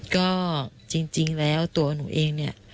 ก็จริงแล้วตัวหนูเองเนี่ย